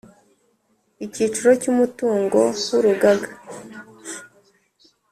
Icyiciro cya Umutungo w Urugaga